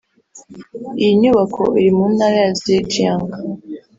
Iyi nyubako iri mu Ntara ya Zhejiang